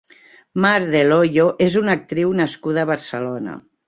Mar del Hoyo és una actriu nascuda a Barcelona.